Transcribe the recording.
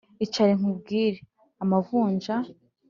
Icara nkubwire.-Amavunja.